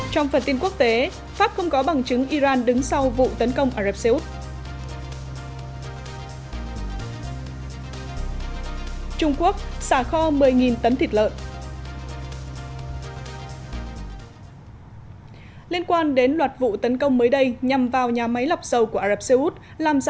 trong phần tin quốc tế pháp không có bằng chứng iran đứng sau vụ tấn công ả rập xê úc